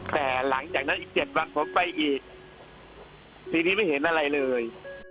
แต่หลังจากนั้นอีก๗วันผมไปอีกทีนี้ไม่เห็นอะไรเลย